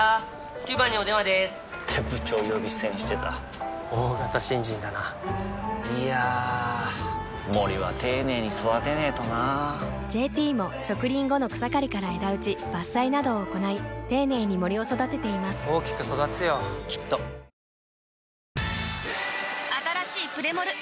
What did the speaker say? ９番にお電話でーす！って部長呼び捨てにしてた大型新人だないやー森は丁寧に育てないとな「ＪＴ」も植林後の草刈りから枝打ち伐採などを行い丁寧に森を育てています大きく育つよきっとあたらしいプレモル！